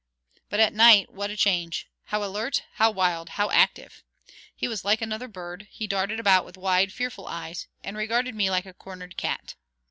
But at night what a change; how alert, how wild, how active! He was like another bird; he darted about with wide, fearful eyes, and regarded me like a cornered cat.